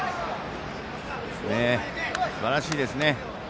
すばらしいですね。